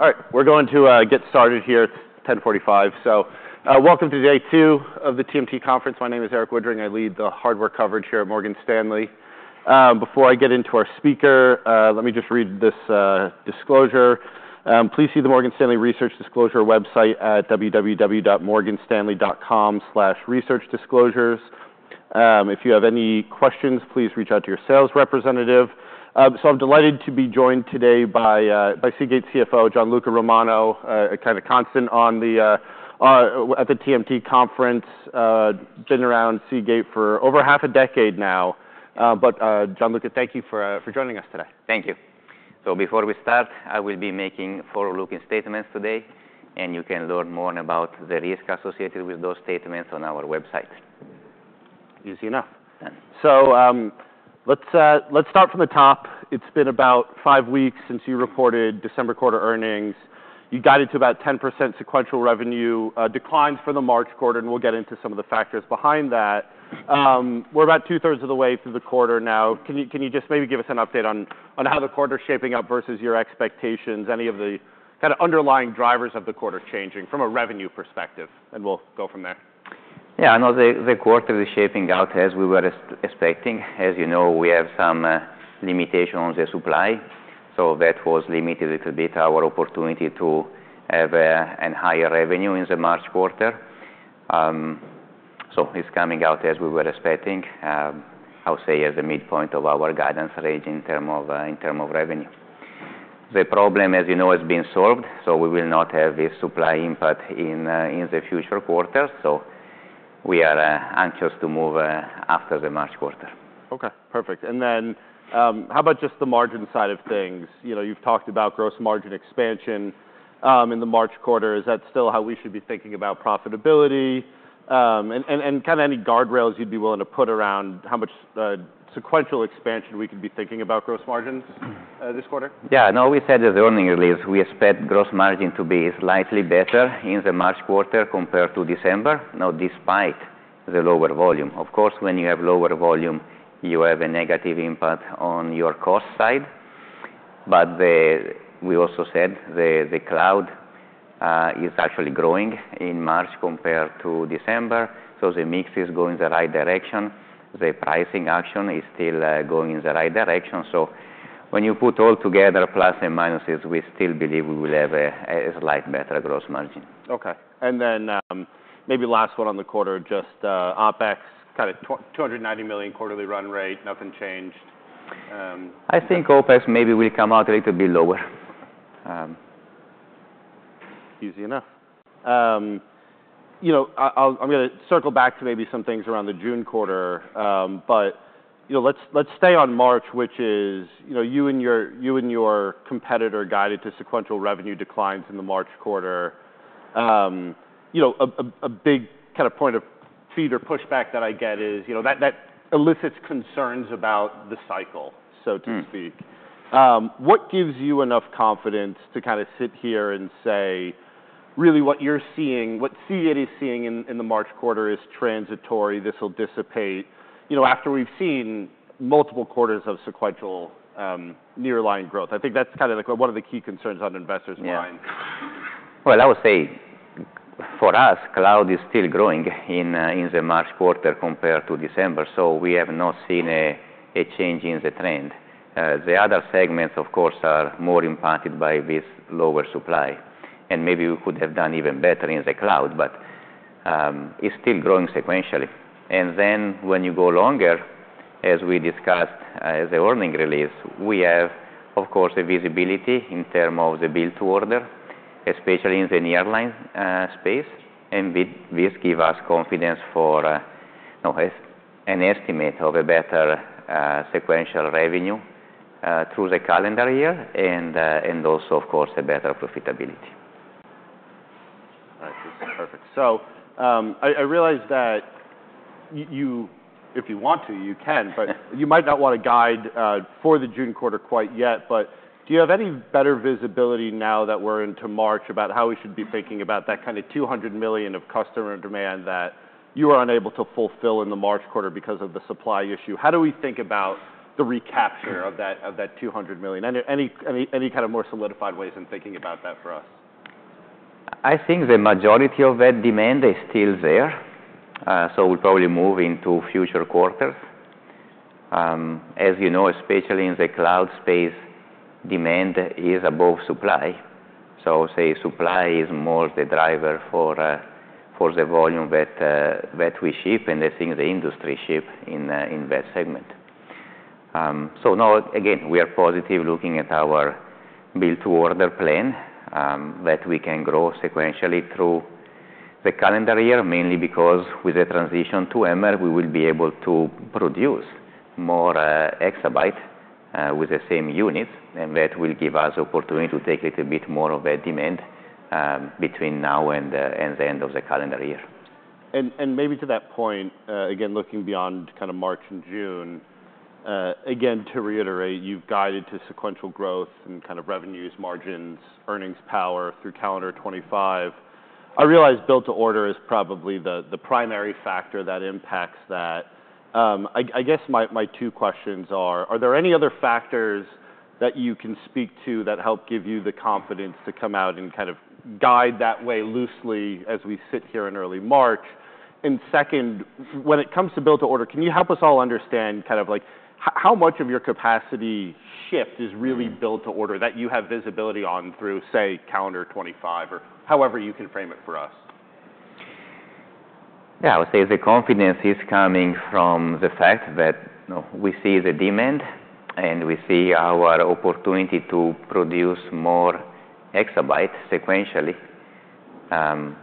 All right. We're going to get started here. It's 10:45 A.M., so welcome to day two of the TMT Conference. My name is Erik Woodring. I lead the hardware coverage here at Morgan Stanley. Before I get into our speaker, let me just read this disclosure. Please see the Morgan Stanley Research Disclosure website at www.morganstanley.com/researchdisclosures. If you have any questions, please reach out to your sales representative. So I'm delighted to be joined today by Seagate CFO Gianluca Romano, a kind of constant at the TMT Conference, been around Seagate for over half a decade now. But, Gianluca, thank you for joining us today. Thank you. Before we start, I will be making forward-looking statements today, and you can learn more about the risk associated with those statements on our website. Easy enough. So, let's, let's start from the top. It's been about five weeks since you reported December quarter earnings. You guided to about 10% sequential revenue declines for the March quarter, and we'll get into some of the factors behind that. We're about two-thirds of the way through the quarter now. Can you, can you just maybe give us an update on, on how the quarter's shaping up versus your expectations? Any of the kind of underlying drivers of the quarter changing from a revenue perspective? And we'll go from there. Yeah. No, the quarter is shaping out as we were expecting. As you know, we have some limitation on the supply, so that was limited a little bit our opportunity to have a higher revenue in the March quarter, so it's coming out as we were expecting. I'll say as the midpoint of our guidance range in terms of revenue. The problem, as you know, has been solved, so we will not have this supply impact in the future quarters, so we are anxious to move after the March quarter. Okay. Perfect. And then, how about just the margin side of things? You know, you've talked about gross margin expansion, in the March quarter. Is that still how we should be thinking about profitability? And kind of any guardrails you'd be willing to put around how much sequential expansion we could be thinking about gross margins, this quarter? Yeah. No, we said at the earnings release, we expect gross margin to be slightly better in the March quarter compared to December, no, despite the lower volume. Of course, when you have lower volume, you have a negative impact on your cost side. But we also said the cloud is actually growing in March compared to December, so the mix is going the right direction. The pricing action is still going in the right direction. So when you put all together, plus and minuses, we still believe we will have a slight better gross margin. Okay. And then, maybe last one on the quarter, just, OpEx, kind of $290 million quarterly run rate, nothing changed. I think OpEx maybe will come out a little bit lower. Easy enough. You know, I'm gonna circle back to maybe some things around the June quarter, but you know, let's stay on March, which is, you know, you and your competitor guided to sequential revenue declines in the March quarter. You know, a big kind of point of feedback or pushback that I get is, you know, that elicits concerns about the cycle, so to speak. Mm-hmm. What gives you enough confidence to kind of sit here and say, really, what you're seeing, what Seagate is seeing in the March quarter is transitory, this'll dissipate, you know, after we've seen multiple quarters of sequential, nearline growth? I think that's kind of like one of the key concerns on investors' minds. I would say for us, cloud is still growing in the March quarter compared to December, so we have not seen a change in the trend. The other segments, of course, are more impacted by this lower supply. Maybe we could have done even better in the cloud, but it's still growing sequentially. Then when you go longer, as we discussed in the earnings release, we have, of course, a visibility in terms of the book-to-bill, especially in the nearline space. This gives us confidence for an estimate of a better sequential revenue through the calendar year and also, of course, a better profitability. All right. Perfect. So, I realize that you, if you want to, you can, but you might not wanna guide for the June quarter quite yet. But do you have any better visibility now that we're into March about how we should be thinking about that kind of $200 million of customer demand that you were unable to fulfill in the March quarter because of the supply issue? How do we think about the recapture of that $200 million? Any kind of more solidified ways in thinking about that for us? I think the majority of that demand is still there, so we'll probably move into future quarters. As you know, especially in the cloud space, demand is above supply. So say supply is more the driver for the volume that we ship and I think the industry ship in that segment. So no, again, we are positive looking at our build-to-order plan, that we can grow sequentially through the calendar year, mainly because with the transition to HAMR, we will be able to produce more exabyte with the same units, and that will give us opportunity to take a little bit more of a demand between now and the end of the calendar year. Maybe to that point, again, looking beyond kind of March and June, again, to reiterate, you've guided to sequential growth and kind of revenues, margins, earnings power through calendar 2025. I realize build-to-order is probably the primary factor that impacts that. I guess my two questions are there any other factors that you can speak to that help give you the confidence to come out and kind of guide that way loosely as we sit here in early March? Second, when it comes to build-to-order, can you help us all understand kind of like how much of your capacity shift is really build-to-order that you have visibility on through, say, calendar 2025 or however you can frame it for us? Yeah. I would say the confidence is coming from the fact that, you know, we see the demand and we see our opportunity to produce more exabyte sequentially,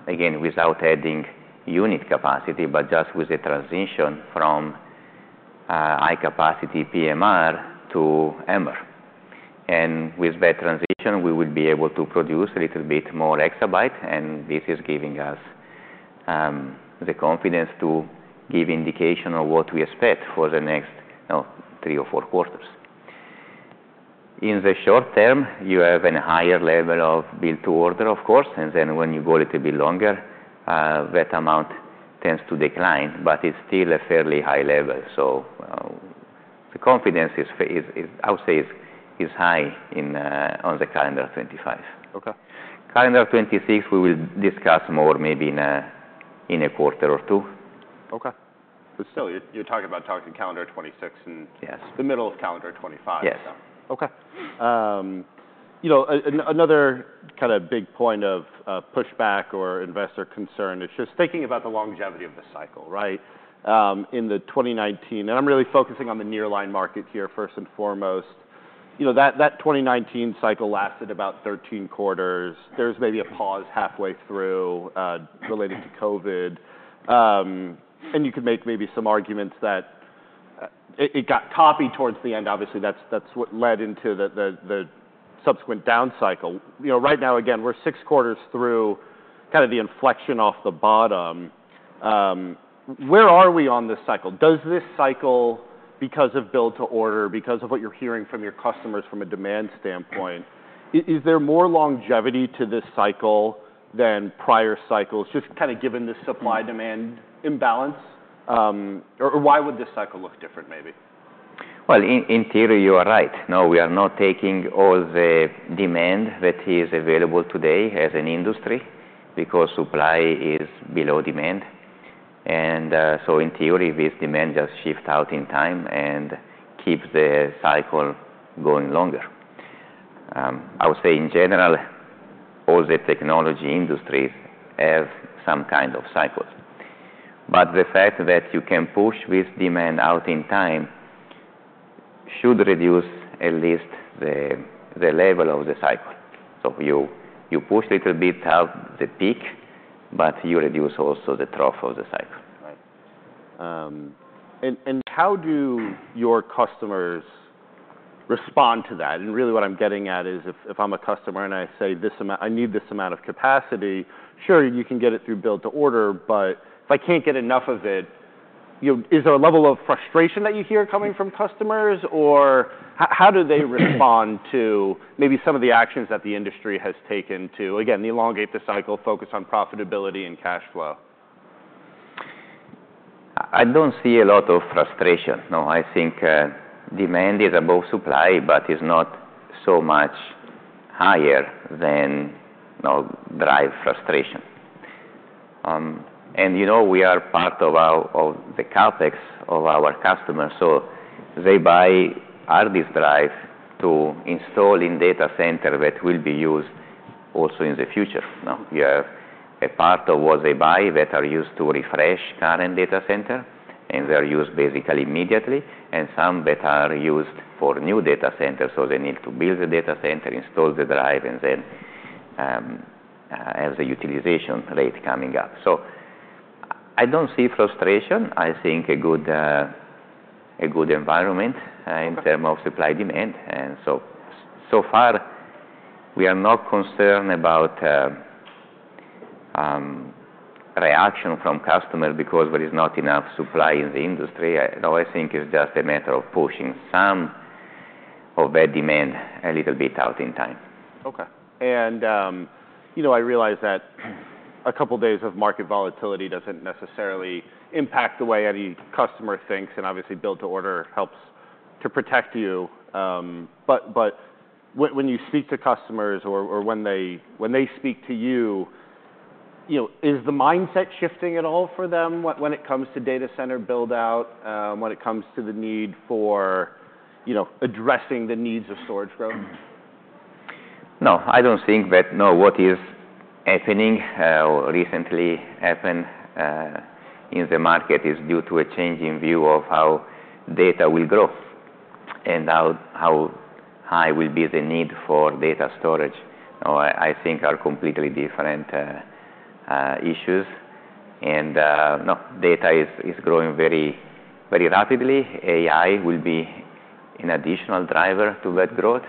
again, without adding unit capacity, but just with the transition from high-capacity PMR to MR. And with that transition, we will be able to produce a little bit more exabyte, and this is giving us the confidence to give indication of what we expect for the next, you know, three or four quarters. In the short term, you have a higher level of book-to-bill, of course, and then when you go a little bit longer, that amount tends to decline, but it's still a fairly high level. So, the confidence is, I would say, high on the calendar 2025. Okay. Calendar 2026, we will discuss more maybe in a quarter or two. Okay. But still, you're talking about calendar 2026 and. Yes. The middle of calendar 2025, so. Yes. Okay. You know, another kind of big point of pushback or investor concern is just thinking about the longevity of the cycle, right? In 2019, and I'm really focusing on the nearline market here first and foremost, you know, that 2019 cycle lasted about 13 quarters. There was maybe a pause halfway through, related to COVID, and you could make maybe some arguments that it got copied towards the end. Obviously, that's what led into the subsequent down cycle. You know, right now, again, we're six quarters through kind of the inflection off the bottom. Where are we on this cycle? Does this cycle, because of build to order, because of what you're hearing from your customers from a demand standpoint, is there more longevity to this cycle than prior cycles, just kind of given the supply-demand imbalance? Or, why would this cycle look different maybe? In theory, you are right. No, we are not taking all the demand that is available today as an industry because supply is below demand. In theory, this demand just shifts out in time and keeps the cycle going longer. I would say in general, all the technology industries have some kind of cycles. The fact that you can push this demand out in time should reduce at least the level of the cycle. You push a little bit out the peak, but you reduce also the trough of the cycle. Right. And how do your customers resp ond to that? And really what I'm getting at is if I'm a customer and I say, "This amount, I need this amount of capacity," sure, you can get it through build to order, but if I can't get enough of it, you know, is there a level of frustration that you hear coming from customers, or how do they respond to maybe some of the actions that the industry has taken to, again, elongate the cycle, focus on profitability and cash flow? I don't see a lot of frustration. No, I think demand is above supply, but it's not so much higher than, you know, drive frustration. And you know, we are part of the CapEx of our customers, so they buy hard disk drive to install in data center that will be used also in the future. Now, you have a part of what they buy that are used to refresh current data center, and they're used basically immediately, and some that are used for new data center, so they need to build the data center, install the drive, and then have the utilization rate coming up. So I don't see frustration. I think a good environment in terms of supply demand. So far, we are not concerned about reaction from customer because there is not enough supply in the industry. I think it's just a matter of pushing some of that demand a little bit out in time. Okay. You know, I realize that a couple days of market volatility doesn't necessarily impact the way any customer thinks, and obviously build-to-order helps to protect you. But when you speak to customers or when they speak to you, you know, is the mindset shifting at all for them when it comes to data center build-out, when it comes to the need for, you know, addressing the needs of storage growth? No, I don't think that what is happening, what recently happened, in the market is due to a change in view of how data will grow and how high the need for data storage will be. No, I think they are completely different issues. No, data is growing very rapidly. AI will be an additional driver to that growth,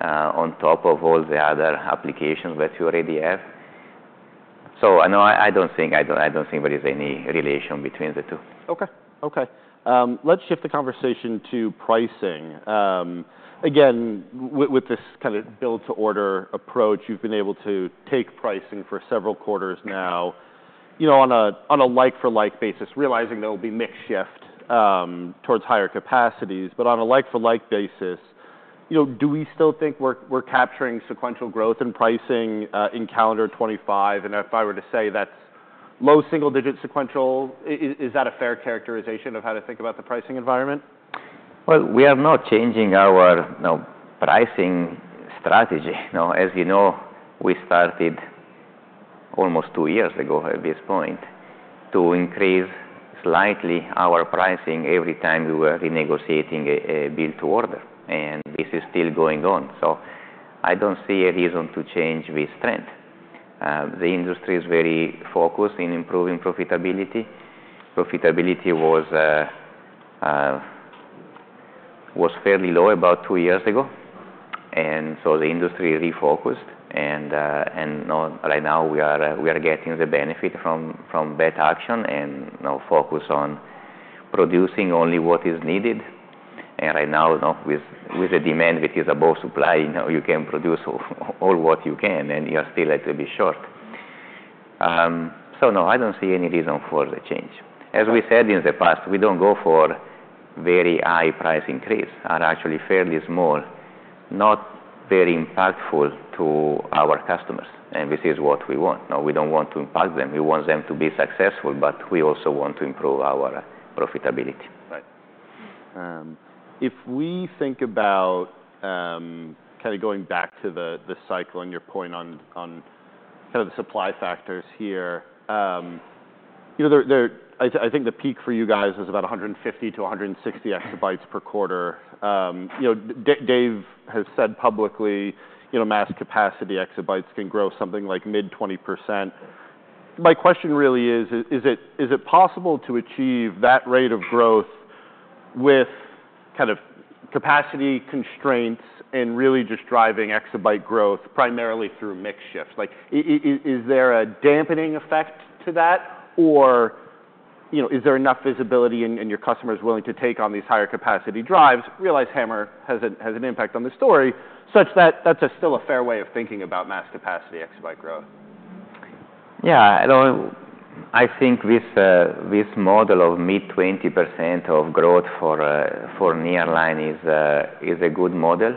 on top of all the other applications that you already have. I don't think there is any relation between the two. Okay. Okay. Let's shift the conversation to pricing. Again, with this kind of build-to-order approach, you've been able to take pricing for several quarters now, you know, on a like-for-like basis, realizing there'll be mix shift towards higher capacities. But on a like-for-like basis, you know, do we still think we're capturing sequential growth in pricing in calendar 2025? And if I were to say that's low single-digit sequential, is that a fair characterization of how to think about the pricing environment? We are not changing our, you know, pricing strategy. No, as you know, we started almost two years ago at this point to increase slightly our pricing every time we were renegotiating a build to order. This is still going on. I don't see a reason to change this trend. The industry is very focused in improving profitability. Profitability was fairly low about two years ago. The industry refocused. Now right now we are getting the benefit from that action and, you know, focus on producing only what is needed. Right now, you know, with the demand that is above supply, you know, you can produce all what you can, and you are still a little bit short. No, I don't see any reason for the change. As we said in the past, we don't go for very high price increases. They are actually fairly small, not very impactful to our customers, and this is what we want. No, we don't want to impact them. We want them to be successful, but we also want to improve our profitability. Right. If we think about, kind of going back to the, the cycle and your point on, on kind of the supply factors here, you know, there, I think the peak for you guys was about 150-160 exabytes per quarter. You know, Dave has said publicly, you know, mass capacity exabytes can grow something like mid-20%. My question really is, is it possible to achieve that rate of growth with kind of capacity constraints and really just driving exabyte growth primarily through mix shift? Like, is there a dampening effect to that, or, you know, is there enough visibility and, and your customers willing to take on these higher capacity drives? Realize HAMR has an impact on the story such that that's still a fair way of thinking about mass capacity exabyte growth. Yeah. I don't. I think this model of mid-20% growth for nearline is a good model,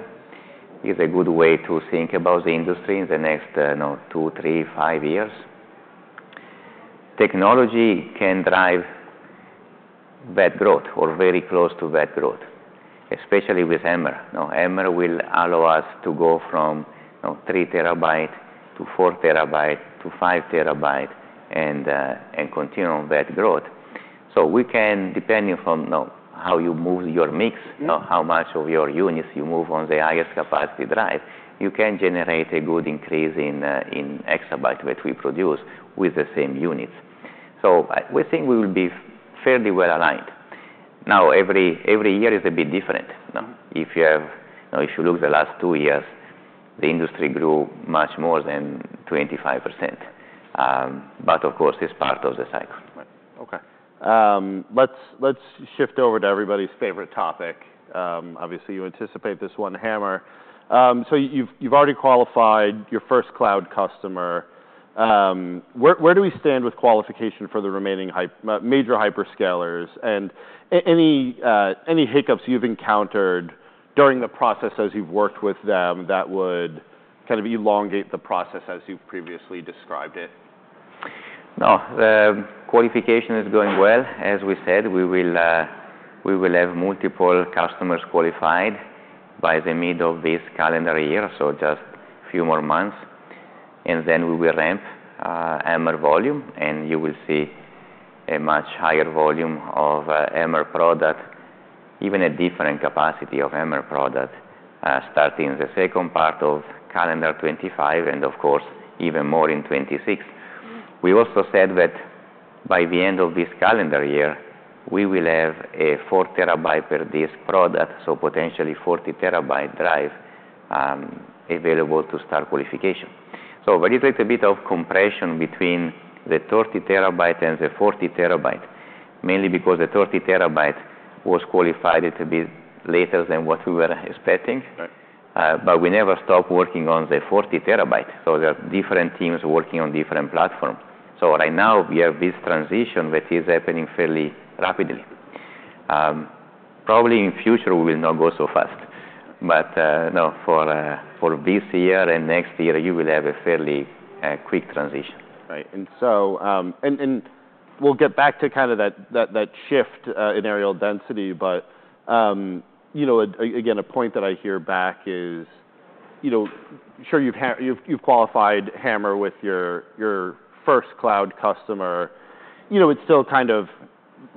is a good way to think about the industry in the next, you know, two, three, five years. Technology can drive that growth or very close to that growth, especially with HAMR. No, HAMR will allow us to go from, you know, 3 TB to 4 TB to 5 TB and continue on that growth. So we can, depending from, you know, how you move your mix, you know, how much of your units you move on the highest capacity drive, you can generate a good increase in exabyte that we produce with the same units. So we think we will be fairly well aligned. Now, every year is a bit different. No, if you have, you know, if you look the last two years, the industry grew much more than 25%. But of course, it's part of the cycle. Right. Okay. Let's shift over to everybody's favorite topic. Obviously you anticipate this one, HAMR, so you've already qualified your first cloud customer. Where do we stand with qualification for the remaining hypers, major hyperscalers and any hiccups you've encountered during the process as you've worked with them that would kind of elongate the process as you've previously described it? No, the qualification is going well. As we said, we will have multiple customers qualified by the middle of this calendar year, so just a few more months, and then we will ramp HAMR volume, and you will see a much higher volume of HAMR product, even a different capacity of HAMR product, starting the second part of calendar 2025 and, of course, even more in 2026. We also said that by the end of this calendar year, we will have a 4 TB per disk product, so potentially 40 TB drive, available to start qualification, so very little bit of compression between the 30 TB and the 40 TB, mainly because the 30 TB was qualified a little bit later than what we were expecting. Right. But we never stopped working on the 40 TB. So there are different teams working on different platform. So right now we have this transition that is happening fairly rapidly. Probably in future we will not go so fast. But no, for this year and next year, you will have a fairly quick transition. Right. And so, we'll get back to kind of that shift in areal density. But you know, again, a point that I hear back is, you know, sure you've qualified HAMR with your first cloud customer. You know, it's still kind of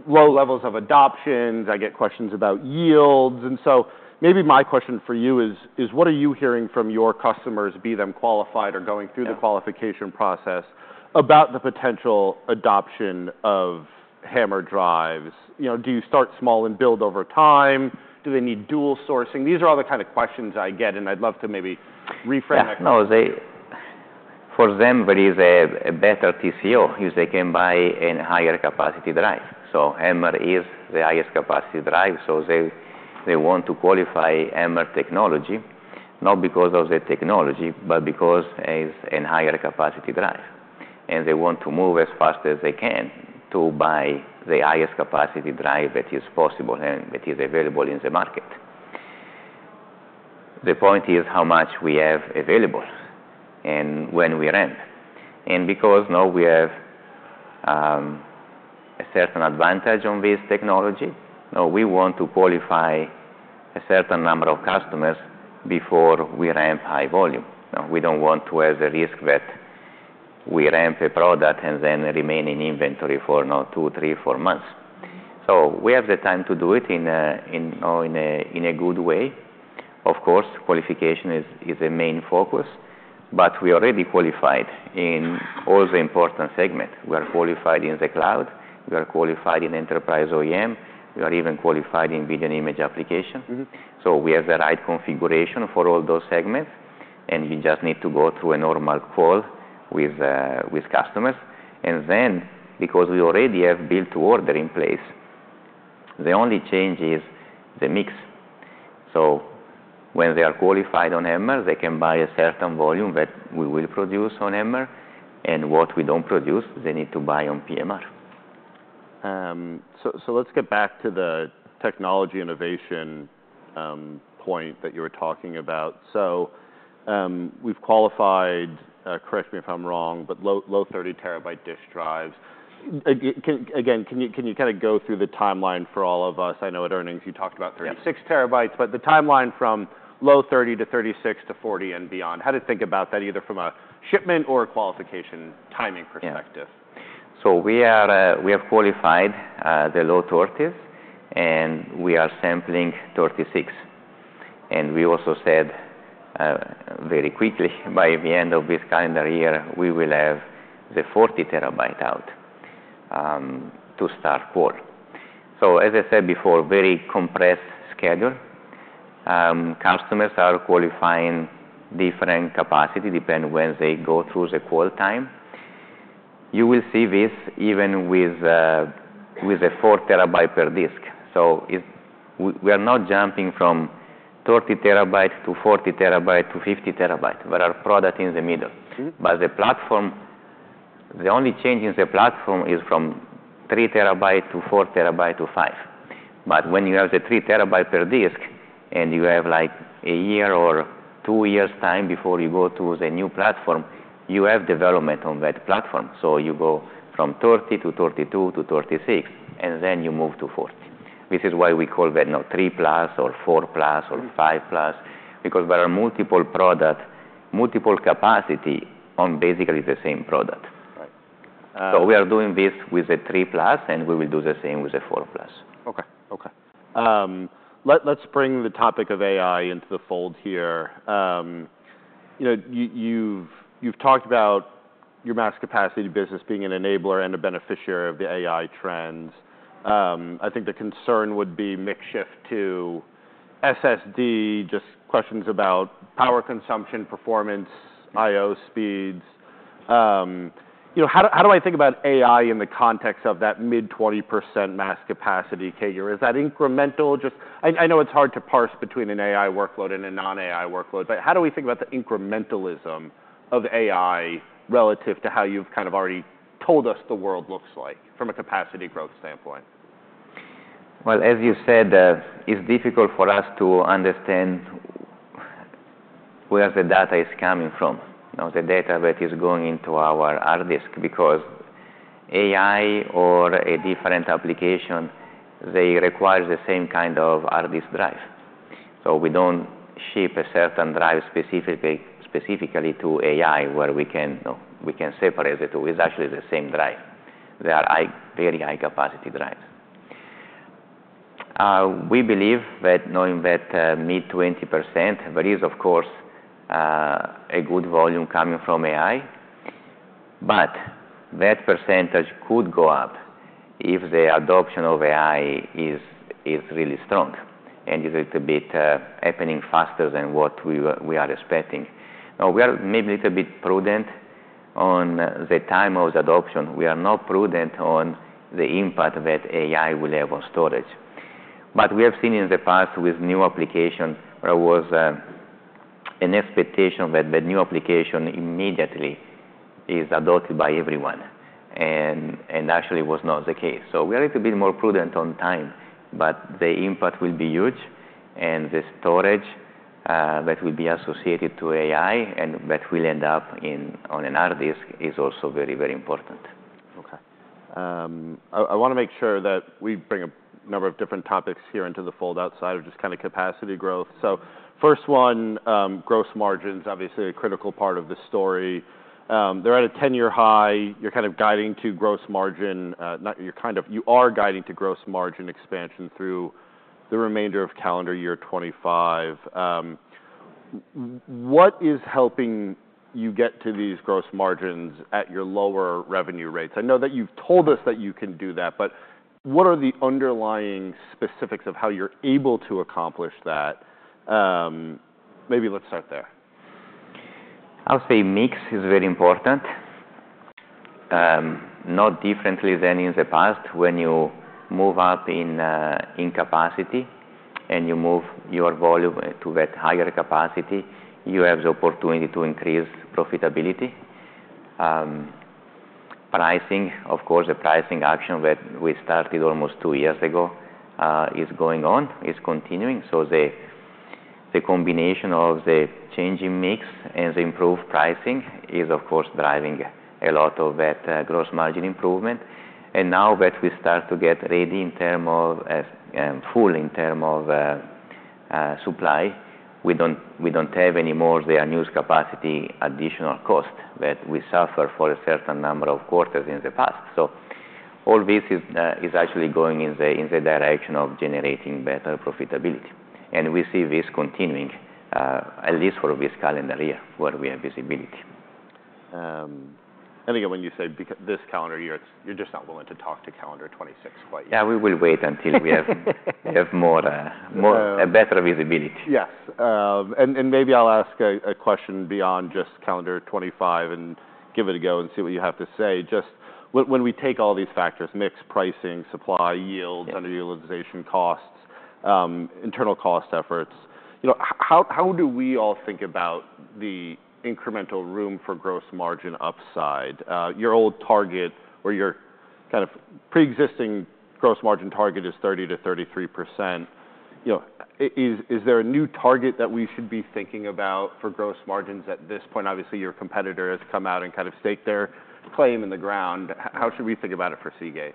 low levels of adoption. I get questions about yields. And so maybe my question for you is what are you hearing from your customers, be they qualified or going through the qualification process, about the potential adoption of HAMR drives? You know, do you start small and build over time? Do they need dual sourcing? These are all the kind of questions I get, and I'd love to maybe reframe that question. No, for them there is a better TCO if they can buy a higher capacity drive. So HAMR is the highest capacity drive. So they want to qualify HAMR technology, not because of the technology, but because it's a higher capacity drive. They want to move as fast as they can to buy the highest capacity drive that is possible and that is available in the market. The point is how much we have available and when we ramp. Because, you know, we have a certain advantage on this technology, you know, we want to qualify a certain number of customers before we ramp high volume. No, we don't want to have the risk that we ramp a product and then remain in inventory for, you know, two, three, four months. So we have the time to do it in, you know, in a good way. Of course, qualification is a main focus, but we already qualified in all the important segments. We are qualified in the cloud. We are qualified in enterprise OEM. We are even qualified in video and image application. Mm-hmm. We have the right configuration for all those segments, and we just need to go through a normal call with customers. Then, because we already have build-to-order in place, the only change is the mix. When they are qualified on HAMR, they can buy a certain volume that we will produce on HAMR. What we don't produce, they need to buy on PMR. So, let's get back to the technology innovation point that you were talking about. So, we've qualified. Correct me if I'm wrong, but low 30 TB disk drives. Again, can you kind of go through the timeline for all of us? I know at earnings you talked about 36 TB, but the timeline from low 30 to 36 to 40 and beyond, how to think about that either from a shipment or a qualification timing perspective. Yeah. So we have qualified the low 30s, and we are sampling 36, and we also said, very quickly by the end of this calendar year, we will have the 40 TB out to start qual, so as I said before, very compressed schedule. Customers are qualifying different capacity depending when they go through the qual time. You will see this even with a 4 TB per disk, so we are not jumping from 30 TB to 40 TB to 50 TB. There are products in the middle. Mm-hmm. But the platform, the only change in the platform is from 3 TB to 4 TB to 5 TB. But when you have the 3 TB per disk and you have like a year or two years' time before you go to the new platform, you have development on that platform. So you go from 30 to 32 to 36, and then you move to 40. This is why we call that, you know, 3+ or 4+ or 5+ because there are multiple products, multiple capacity on basically the same product. Right. So we are doing this with the 3+, and we will do the same with the 4+. Okay. Okay. Let's bring the topic of AI into the fold here. You know, you've talked about your mass capacity business being an enabler and a beneficiary of the AI trends. I think the concern would be mixed shift to SSD, just questions about power consumption, performance, I/O speeds. You know, how do I think about AI in the context of that mid-20% mass capacity, CAGR? Is that incremental? Just, I know it's hard to parse between an AI workload and a non-AI workload, but how do we think about the incrementalism of AI relative to how you've kind of already told us the world looks like from a capacity growth standpoint? As you said, it's difficult for us to understand where the data is coming from, you know, the data that is going into our hard disk because AI or a different application, they require the same kind of hard disk drive. So we don't ship a certain drive specifically to AI where we can, you know, we can separate the two. It's actually the same drive. There are high, very high capacity drives. We believe that knowing that, mid 20%, there is of course, a good volume coming from AI, but that percentage could go up if the adoption of AI is really strong and is a little bit happening faster than what we are expecting. Now, we are maybe a little bit prudent on the time of the adoption. We are not prudent on the impact that AI will have on storage. But we have seen in the past with new application there was an expectation that the new application immediately is adopted by everyone. And actually it was not the case. So we are a little bit more prudent on time, but the impact will be huge. And the storage that will be associated to AI and that will end up on a hard disk is also very, very important. Okay. I wanna make sure that we bring a number of different topics here into the fold outside of just kind of capacity growth. So first one, gross margins, obviously a critical part of the story. They're at a 10-year high. You're kind of guiding to gross margin expansion through the remainder of calendar year 2025. What is helping you get to these gross margins at your lower revenue rates? I know that you've told us that you can do that, but what are the underlying specifics of how you're able to accomplish that? Maybe let's start there. I'll say mix is very important, not differently than in the past when you move up in capacity and you move your volume to that higher capacity. You have the opportunity to increase profitability. Pricing, of course, the pricing action that we started almost two years ago is going on and is continuing, so the combination of the changing mix and the improved pricing is, of course, driving a lot of that gross margin improvement. And now that we start to get ready in terms of full supply, we don't have anymore the unused capacity additional cost that we suffered for a certain number of quarters in the past. So all this is actually going in the direction of generating better profitability. And we see this continuing, at least for this calendar year where we have visibility. And again, when you say back half this calendar year, it's, you're just not willing to talk to calendar 2026 quite yet. Yeah, we will wait until we have more of a better visibility. Yes, and maybe I'll ask a question beyond just calendar 2025 and give it a go and see what you have to say. Just when we take all these factors, mixed pricing, supply, yields, underutilization costs, internal cost efforts, you know, how do we all think about the incremental room for gross margin upside? Your old target or your kind of pre-existing gross margin target is 30%-33%. You know, is there a new target that we should be thinking about for gross margins at this point? Obviously, your competitor has come out and kind of staked their claim in the ground. How should we think about it for Seagate?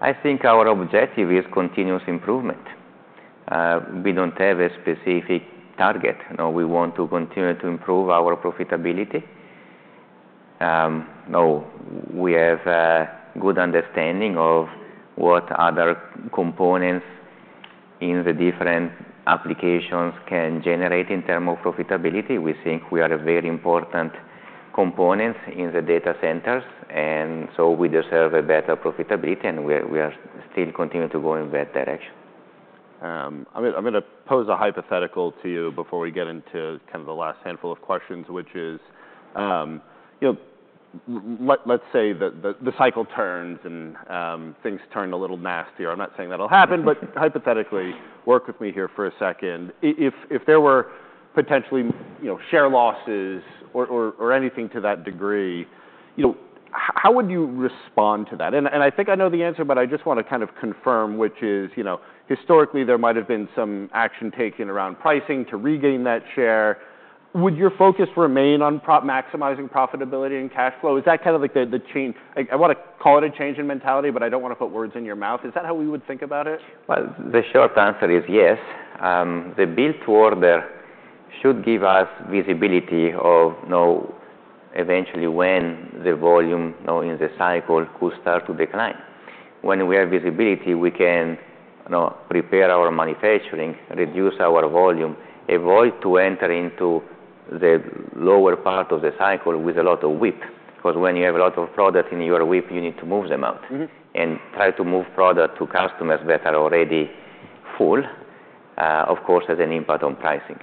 I think our objective is continuous improvement. We don't have a specific target. You know, we want to continue to improve our profitability. No, we have a good understanding of what other components in the different applications can generate in terms of profitability. We think we are very important components in the data centers, and so we deserve a better profitability, and we, we are still continuing to go in that direction. I'm gonna pose a hypothetical to you before we get into kind of the last handful of questions, which is, you know, let's say that the cycle turns and things turn a little nasty. I'm not saying that'll happen, but hypothetically, work with me here for a second. If there were potentially, you know, share losses or anything to that degree, you know, how would you respond to that? And I think I know the answer, but I just wanna kind of confirm, which is, you know, historically there might have been some action taken around pricing to regain that share. Would your focus remain on primarily maximizing profitability and cash flow? Is that kind of like the change? I wanna call it a change in mentality, but I don't wanna put words in your mouth. Is that how we would think about it? The short answer is yes. The build to order should give us visibility of, you know, eventually when the volume, you know, in the cycle could start to decline. When we have visibility, we can, you know, prepare our manufacturing, reduce our volume, avoid to enter into the lower part of the cycle with a lot of WIP, 'cause when you have a lot of product in your WIP, you need to move them out. Mm-hmm. And try to move product to customers that are already full, of course, has an impact on pricing.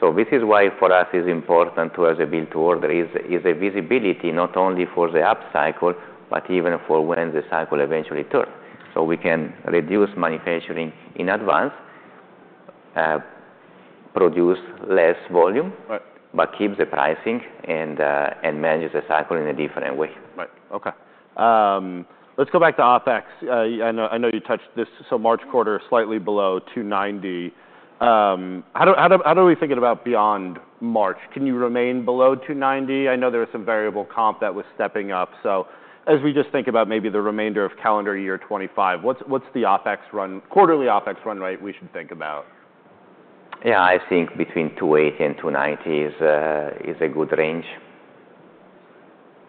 So this is why for us it's important to have the book-to-bill visibility not only for the upcycle, but even for when the cycle eventually turns. So we can reduce manufacturing in advance, produce less volume. Right. But keep the pricing and manage the cycle in a different way. Right. Okay. Let's go back to OpEx. I know, I know you touched this. So March quarter slightly below 290. How do we think about beyond March? Can you remain below 290? I know there was some variable comp that was stepping up. So as we just think about maybe the remainder of calendar year 2025, what's the OpEx run, quarterly OpEx run rate we should think about? Yeah, I think between 280 and 290 is a good range.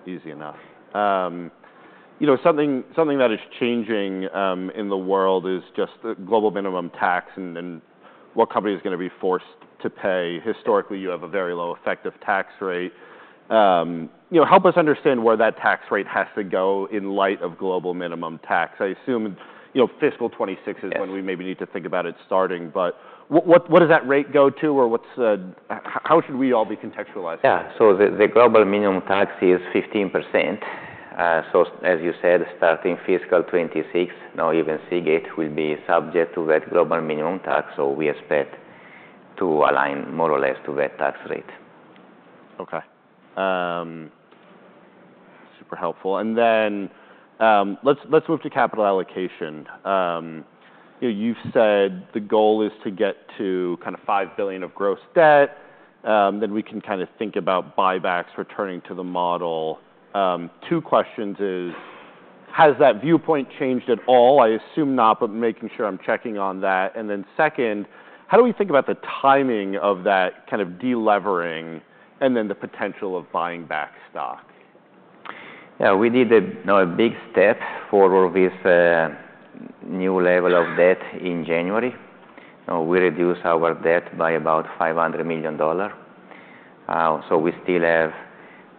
Easy enough. You know, something, something that is changing in the world is just the global minimum tax and what companies are gonna be forced to pay. Historically, you have a very low effective tax rate. You know, help us understand where that tax rate has to go in light of global minimum tax. I assume, you know, FY 2026 is when we maybe need to think about it starting, but what does that rate go to or what's the how should we all be contextualizing? Yeah. So the global minimum tax is 15%. So as you said, starting FY 2026, now even Seagate will be subject to that global minimum tax. So we expect to align more or less to that tax rate. Okay. Super helpful. Then, let's move to capital allocation. You know, you've said the goal is to get to kind of $5 billion of gross debt. Then we can kind of think about buybacks returning to the model. Two questions: is, has that viewpoint changed at all? I assume not, but making sure I'm checking on that. And then second, how do we think about the timing of that kind of delevering and then the potential of buying back stock? Yeah, we did a, you know, a big step forward with a new level of debt in January. You know, we reduced our debt by about $500 million. So we still have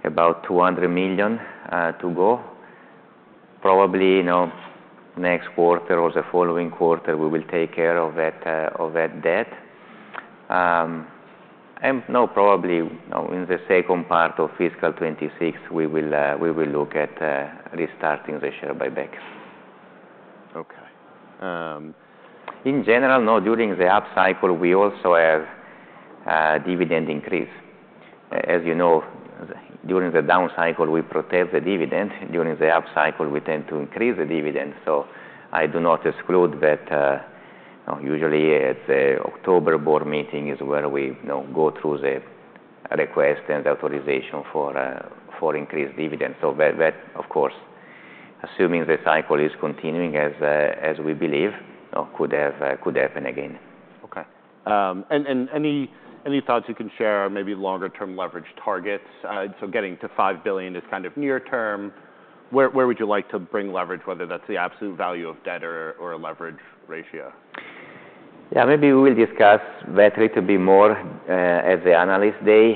about $200 million to go. Probably, you know, next quarter or the following quarter, we will take care of that debt. No, probably, you know, in the second part of FY 2026, we will look at restarting the share buyback. Okay. In general, no, during the upcycle, we also have dividend increase. As you know, during the downcycle, we protect the dividend. During the upcycle, we tend to increase the dividend. So I do not exclude that, you know, usually at the October board meeting is where we, you know, go through the request and the authorization for increased dividend. So that, of course, assuming the cycle is continuing as we believe, you know, could have, could happen again. Okay. And any thoughts you can share on maybe longer-term leverage targets? So getting to $5 billion is kind of near term. Where would you like to bring leverage, whether that's the absolute value of debt or a leverage ratio? Yeah, maybe we will discuss better to be more, as the analysts say.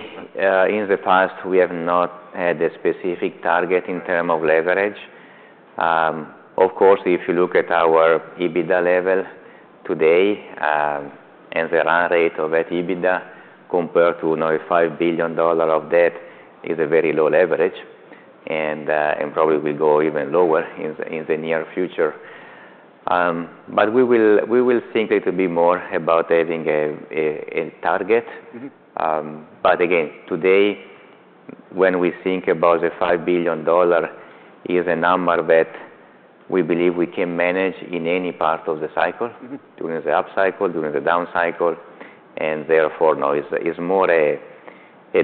In the past, we have not had a specific target in terms of leverage. Of course, if you look at our EBITDA level today, and the run rate of that EBITDA compared to, you know, $5 billion of debt is a very low leverage, and probably we go even lower in the near future, but we will think that it'll be more about having a target. Mm-hmm. But again, today, when we think about the $5 billion is a number that we believe we can manage in any part of the cycle. Mm-hmm. During the upcycle, during the downcycle and therefore, no, it's more a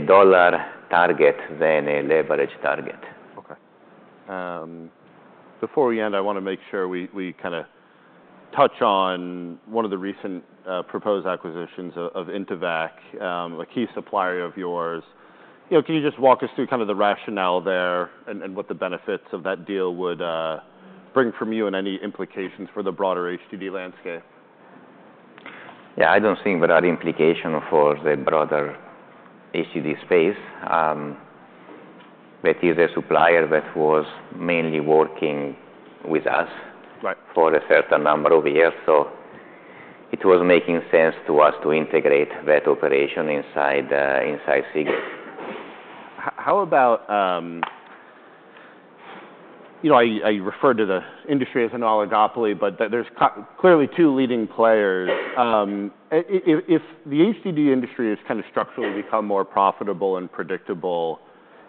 dollar target than a leverage target. Okay. Before we end, I want to make sure we kind of touch on one of the recent proposed acquisitions of Intevac, a key supplier of yours. You know, can you just walk us through kind of the rationale there and what the benefits of that deal would bring from you and any implications for the broader HDD landscape? Yeah, I don't think without implication for the broader HDD space. That is a supplier that was mainly working with us. Right. For a certain number of years, so it was making sense to us to integrate that operation inside Seagate. How about, you know, I refer to the industry as an oligopoly, but that there's clearly two leading players. If the HDD industry has kind of structurally become more profitable and predictable,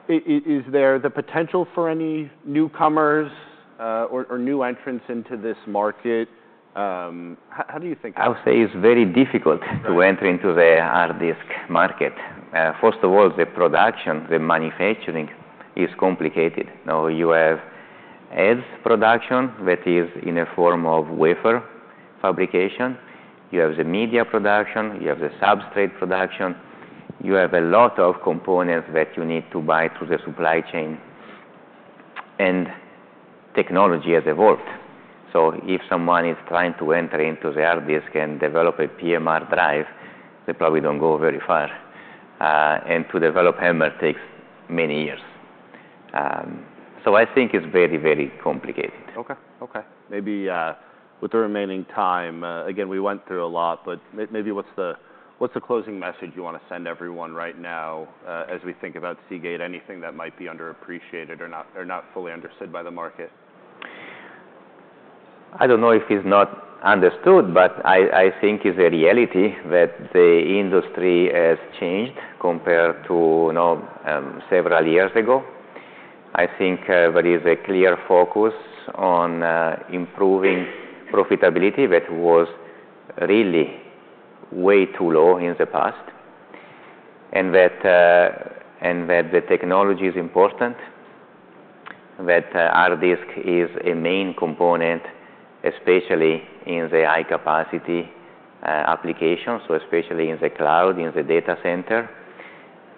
is there the potential for any newcomers, or new entrants into this market? How do you think? I would say it's very difficult to enter into the hard disk market. First of all, the production, the manufacturing is complicated. You know, you have head production that is in a form of wafer fabrication. You have the media production. You have the substrate production. You have a lot of components that you need to buy through the supply chain, and technology has evolved, so if someone is trying to enter into the hard disk and develop a PMR drive, they probably don't go very far, and to develop HAMR takes many years, so I think it's very, very complicated. Okay. Okay. Maybe, with the remaining time, again, we went through a lot, but maybe what's the closing message you wanna send everyone right now, as we think about Seagate? Anything that might be underappreciated or not, or not fully understood by the market? I don't know if it's not understood, but I think it's a reality that the industry has changed compared to, you know, several years ago. I think there is a clear focus on improving profitability that was really way too low in the past and that the technology is important, that hard disk is a main component, especially in the high-capacity applications. So especially in the cloud, in the data center,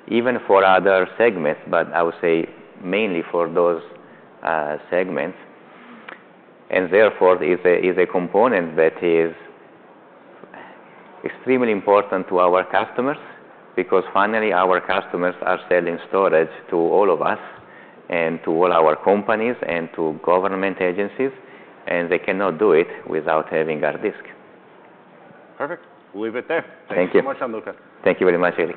even for other segments, but I would say mainly for those segments, and therefore it's a component that is extremely important to our customers because finally our customers are selling storage to all of us and to all our companies and to government agencies, and they cannot do it without having hard disk. Perfect. We'll leave it there. Thank you. Thank you so much. Erik